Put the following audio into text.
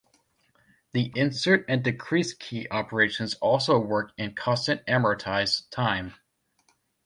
The insert and decrease key operations also work in constant amortized time.